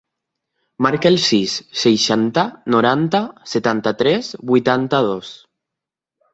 Marca el sis, seixanta, noranta, setanta-tres, vuitanta-dos.